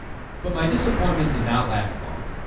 But my disappointment did not last long.